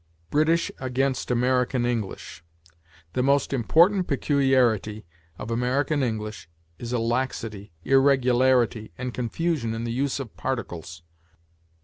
BRITISH AGAINST AMERICAN ENGLISH. "The most important peculiarity of American English is a laxity, irregularity, and confusion in the use of particles.